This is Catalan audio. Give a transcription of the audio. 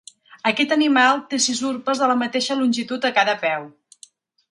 Aquest animal té sis urpes de la mateixa longitud a cada peu.